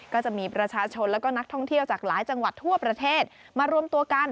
ก็จะมีประชาชนและก็นักท่องเที่ยวจากหลายจังหวัดทั่วประเทศมารวมตัวกัน